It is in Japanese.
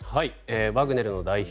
ワグネルの代表